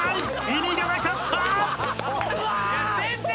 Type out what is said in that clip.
意味がなかった！